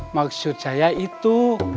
maksud saya itu